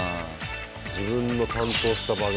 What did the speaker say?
自分の担当した番組。